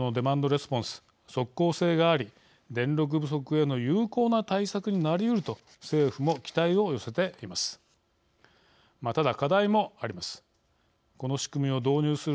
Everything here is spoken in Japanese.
レスポンス即効性があり、電力不足への有効な対策になりうると政府も期待を寄せています。